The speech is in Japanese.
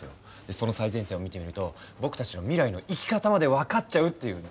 その最前線を見てみると僕たちの未来の生き方まで分かっちゃうっていうね。